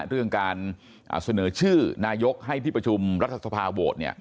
เรื่องการเสนอชื่อนายกให้ที่ประชุมรัฐฒาสมนตร์บวกเนี่ย